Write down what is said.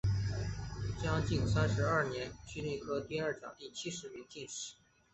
嘉靖三十二年癸丑科第二甲第七十名进士。